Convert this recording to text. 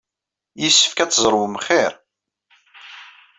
Yessefk ad tzerwem xir.